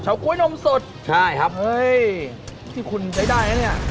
ชาวก๋วยนมสดที่คุณใช้ได้อันนี้